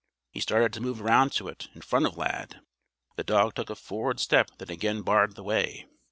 He started to move round to it, in front of Lad. The dog took a forward step that again barred the way.